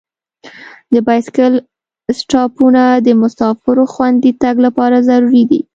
د بایسکل سټاپونه د مسافرو خوندي تګ لپاره ضروري دي.